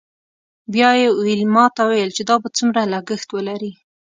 بیا یې ویلما ته وویل چې دا به څومره لګښت ولري